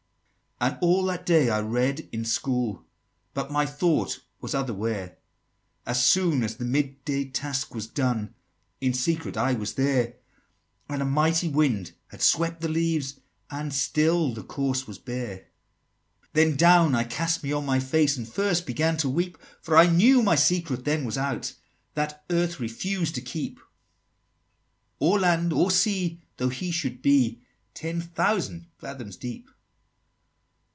XXXI. "And all that day I read in school, But my thought was other where; As soon as the mid day task was done, In secret I was there: And a mighty wind had swept the leaves, And still the corse was bare!" XXXII. "Then down I cast me on my face, And first began to weep, For I knew my secret then was one That earth refused to keep: Or land or sea, though he should be Ten thousand fathoms deep."